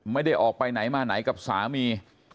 ไม่ได้ออกไปไหนมาไหนกับสามี